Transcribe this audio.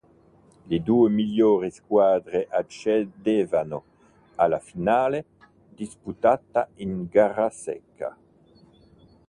Le due migliori squadre accedevano alla finale, disputata in gara secca.